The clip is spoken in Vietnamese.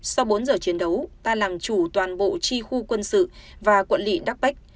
sau bốn giờ chiến đấu ta làm chủ toàn bộ chi khu quân sự và quận lị đắc p